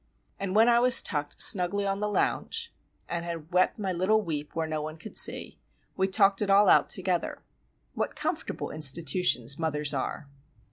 And when I was tucked snugly on the lounge and had wept my little weep where no one could see,—we talked it all out together. What comfortable institutions mothers are!